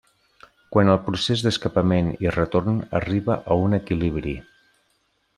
Quan el procés d'escapament i retorn arriba a un equilibri.